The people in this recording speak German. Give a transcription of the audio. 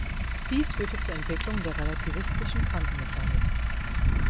Dies führte zur Entwicklung der relativistischen Quantenmechanik.